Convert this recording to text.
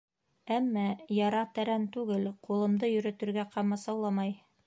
Әммә яра тәрән түгел, ҡулымды йөрөтөргә ҡамасауламай.